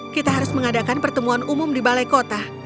kita harus mengadakan pertemuan umum di balai kota